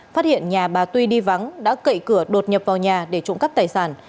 phát hiện nhà bà tuy đi vắng đã cậy cửa đột nhập vào nhà để trộm cắp tài sản